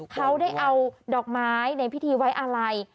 เขาได้เอาดอกไม้ในพิธีไว้อาลัย